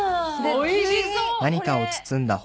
おいしそう。